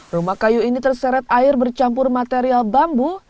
rumah kayu ini terseret air bercampur material bambu